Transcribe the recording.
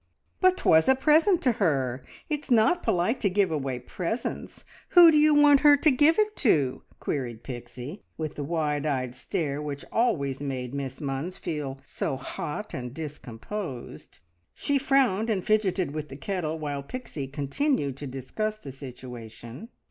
"But 'twas a present to her! It's not polite to give away presents. Who do you want her to give it to?" queried Pixie, with the wide eyed stare which always made Miss Munns feel so hot and discomposed. She frowned and fidgeted with the kettle, while Pixie continued to discuss the situation.